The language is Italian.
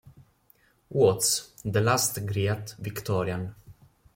Watts, The Last Great Victorian".